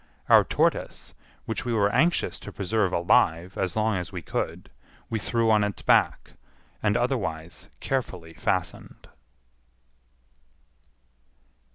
Our tortoise, which we were anxious to preserve alive as long as we could, we threw on its back, and otherwise carefully fastened.